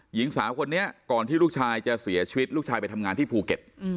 หญิงสาวคนนี้ก่อนที่ลูกชายจะเสียชีวิตลูกชายไปทำงานที่ภูเก็ต